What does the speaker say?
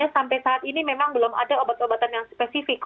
sampai saat ini memang belum ada obat obatan yang spesifik